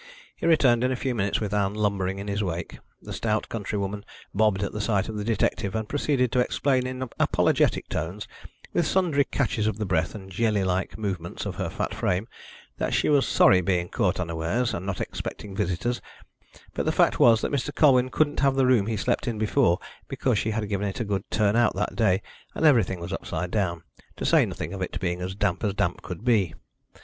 He returned in a few minutes with Ann lumbering in his wake. The stout countrywoman bobbed at the sight of the detective, and proceeded to explain in apologetic tones, with sundry catches of the breath and jelly like movements of her fat frame, that she was sorry being caught unawares, and not expecting visitors, but the fact was that Mr. Colwyn couldn't have the room he slept in before, because she had given it a good turn out that day, and everything was upside down, to say nothing of it being as damp as damp could be.